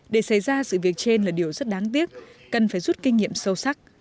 để xảy ra sự việc trên là điều rất đáng tiếc cần phải rút kinh nghiệm sâu sắc